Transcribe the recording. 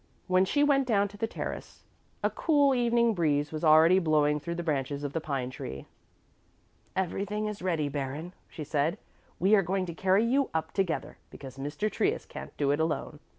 When she went down to the terrace, a cool evening breeze was already blowing through the branches of the pine tree. "Everything is ready, Baron," she said; "we are going to carry you up together, because Mr. Trius can't do it alone.